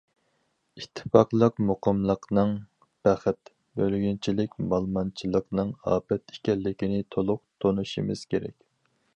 ئىتتىپاقلىق، مۇقىملىقنىڭ بەخت، بۆلگۈنچىلىك، مالىمانچىلىقنىڭ ئاپەت ئىكەنلىكىنى تولۇق تونۇشىمىز كېرەك.